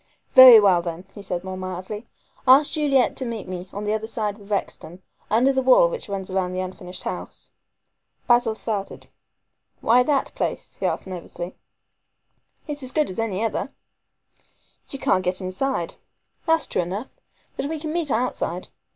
"Very well, then," he said more mildly, "ask Juliet to meet me on the other side of Rexton, under the wall which runs round the unfinished house." Basil started. "Why that place?" he asked nervously. "It is as good as any other." "You can't get inside." "That's true enough. But we can meet outside.